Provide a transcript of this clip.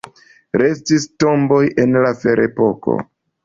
Restis tomboj el la ferepoko.